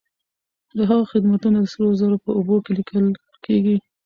د هغه خدمتونه د سرو زرو په اوبو ليکل کيږي.